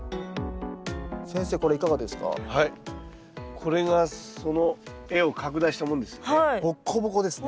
これがその画を拡大したものですね。